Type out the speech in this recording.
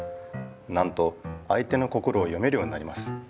なんとあい手の心を読めるようになります。